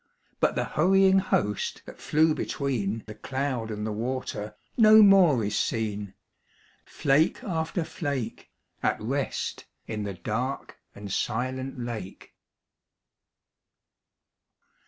But the hurrying host that flew between The cloud and the water, no more is seen : Flake after flake At rest in the dark and silent lake.